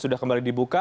sudah kembali dibuka